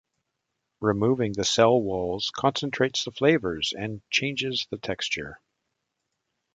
Removing the cell walls concentrates the flavours and changes the texture.